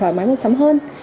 thỏa mái mua sắm hơn